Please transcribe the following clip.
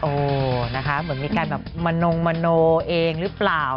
โอ้นะคะเหมือนมีการแบบมนงมโนเองหรือเปล่า